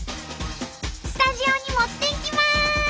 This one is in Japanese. スタジオに持っていきます！